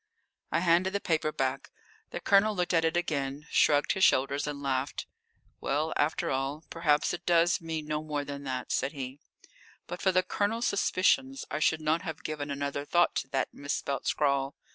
I handed the paper back. The Colonel looked at it again, shrugged his shoulders, and laughed. "Well, after all, perhaps it does mean no more than that," said he. But for the Colonel's suspicions I should not have given another thought to that misspelt scrawl.